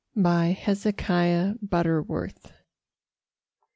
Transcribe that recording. HEZEKIAH BUTTERWORTH.